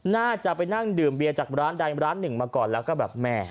น่าจะไปนั่งดื่มเบียจากร้านใดร้านหนึ่งมาก่อนแล้วก็แบบแม่